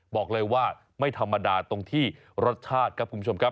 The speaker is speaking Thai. บอกเลยว่าไม่ธรรมดาตรงที่รสชาติครับคุณผู้ชมครับ